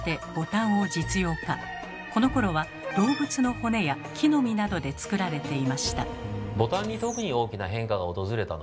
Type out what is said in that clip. このころは動物の骨や木の実などで作られていました。